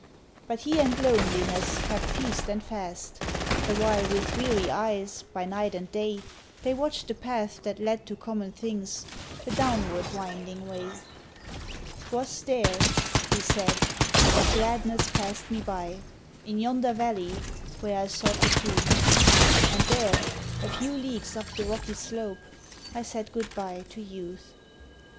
But he and loneliness kept feast and fast, The while with weary eyes, by night and day; They watched the path that led to common things The downward winding way. "'Twas there," he said, "that gladness passed me by, In yonder valley, where I sought the truth; And there, a few leagues up the rocky slope, I said good bye to Youth.